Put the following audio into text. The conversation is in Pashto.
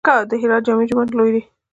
د هرات جامع جومات لوی دی